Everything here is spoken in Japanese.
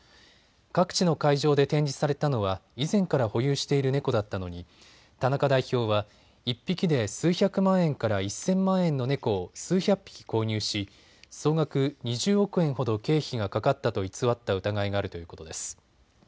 各地の会場で展示されたのは以前から保有している猫だったのに田中代表は１匹で数百万円から１０００万円の猫を数百匹購入し総額２０億円ほど経費がかかったと偽った疑いがあるということです。